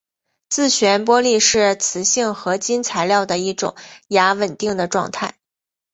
自旋玻璃是磁性合金材料的一种亚稳定的状态。